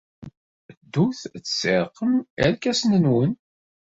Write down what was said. Ddut ad tessirrqem irkasen-nwen!